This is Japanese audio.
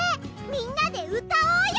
みんなでうたおうよ！